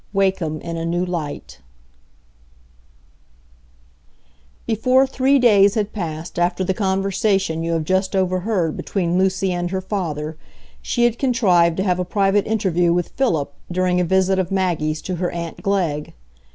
Wakem in a New Light Before three days had passed after the conversation you have just overheard between Lucy and her father she had contrived to have a private interview with Philip during a visit of Maggie's to her aunt Glegg.